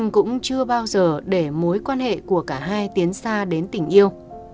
cũng chưa bao giờ để mối quan hệ của cả hai tiến xa đến tình yêu